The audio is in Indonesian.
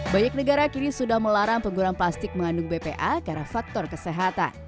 banyak negara kini sudah melarang penggunaan plastik mengandung bpa karena faktor kesehatan